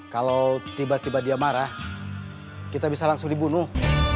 kalau tiba tiba dia marah kita bisa langsung dibunuh